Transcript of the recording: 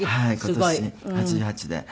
今年８８で。